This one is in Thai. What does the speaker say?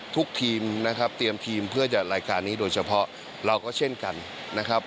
ทุกทีมนะครับเตรียมทีมเพื่อจัดรายการนี้โดยเฉพาะเราก็เช่นกันนะครับ